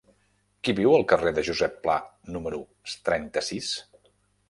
Qui viu al carrer de Josep Pla número trenta-sis?